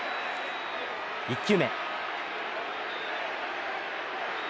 １球目。